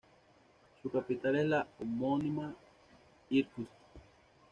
Su capital es la homónima Irkutsk.